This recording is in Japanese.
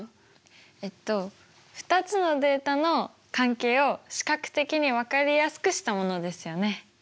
えっと２つのデータの関係を視覚的に分かりやすくしたものですよね。